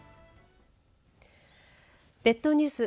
列島ニュース